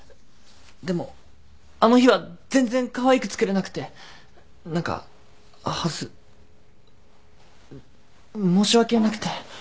でもあの日は全然かわいく作れなくて何か恥ず申し訳なくて。